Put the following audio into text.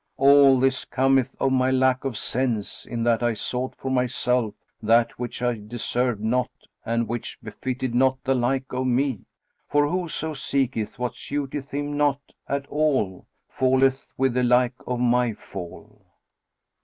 All this cometh of my lack of sense, in that I sought for myself that which I deserved not and which befitted not the like of me; for whoso seeketh what suiteth him not at all, falleth with the like of my fall."